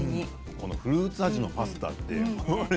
このフルーツ味のパスタ